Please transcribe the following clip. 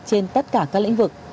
trên tất cả các lĩnh vực